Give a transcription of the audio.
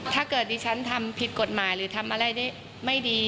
ถ้าเกิดดิฉันทำผิดกฎหมายหรือทำอะไรได้ไม่ดี